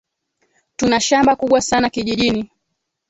Tuna shamba kubwa sana kijijini